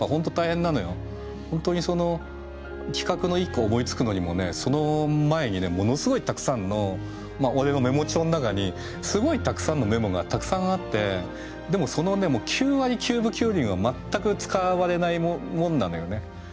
本当にその企画の一個思いつくのにもその前にものすごいたくさんの俺のメモ帳の中にすごいたくさんのメモがたくさんあってでもその９割９分９厘は全く使われないもんなのよね。